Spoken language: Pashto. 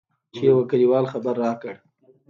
چې يوه کليوال خبر راکړ.